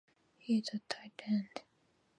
He is a tight end.